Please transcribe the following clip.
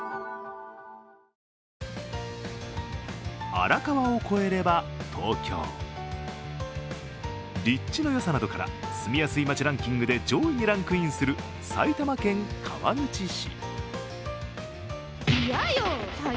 荒川を越えれば東京、立地の良さなどから住みやすい街ランキングの上位にランクインする埼玉県川口市。